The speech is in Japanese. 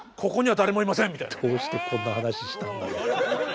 どうしてこんな話したんだろう。